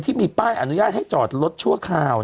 ที่มีป้ายอนุญาตให้จอดรถชั่วคราว